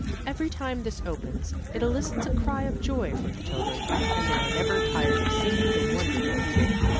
Every time this opens, it elicits a cry of joy from the children, and they are never tired of seeing the wonder repeated.